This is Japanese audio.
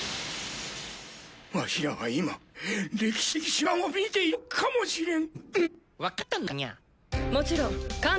わしらは今歴史的瞬間を見ているのかもしれん。